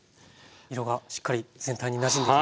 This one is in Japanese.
色がしっかり全体になじんできましたね。